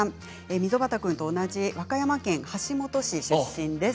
溝端君と同じ和歌山県橋本市出身です。